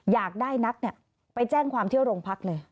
อยากได้นักไปแจ้งความเที่ยวโรงพักเลย